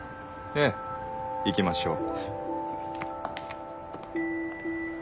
ええ行きましょう。